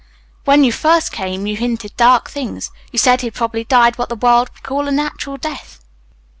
When you first came you hinted dark things. You said he'd probably died what the world would call a natural death."